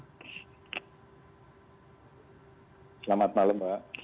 selamat malam mbak